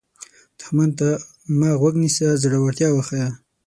دښمن ته مه غوږ نیسه، زړورتیا وښیه